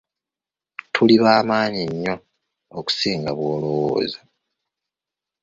Tuli bamaanyi nnyo okusinga bw'olowooza.